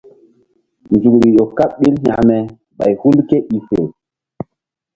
Nzukri ƴo kaɓ ɓil hekme ɓay hul ké i fe.